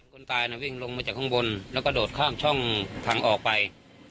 คนตายน่ะวิ่งลงมาจากข้างบนแล้วก็โดดข้ามช่องทางออกไป